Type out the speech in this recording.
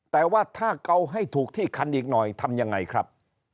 แต่ว่าถ้าเกาให้ถูกที่คันอีกหน่อยทำยังไงครับ